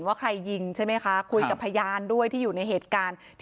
ว่าใครยิงใช่ไหมคะคุยกับพยานด้วยที่อยู่ในเหตุการณ์